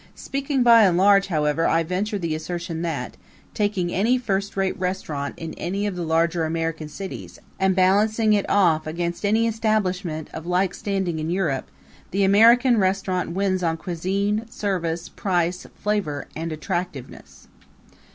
Speaking by and large, however, I venture the assertion that, taking any first rate restaurant in any of the larger American cities and balancing it off against any establishment of like standing in Europe, the American restaurant wins on cuisine, service, price, flavor and attractiveness.